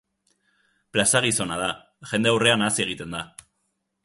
Plaza gizona da, jende aurrean hazi egiten da.